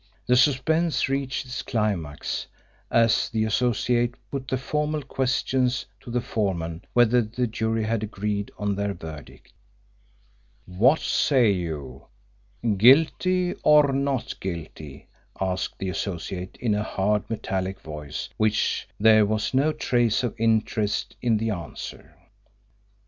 The suspense reached its climax as the Associate put the formal questions to the foreman whether the jury had agreed on their verdict. "What say you: guilty or not guilty?" asked the Associate in a hard metallic voice in which there was no trace of interest in the answer.